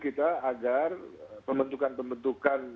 kita agar pembentukan pembentukan